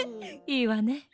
いいわね。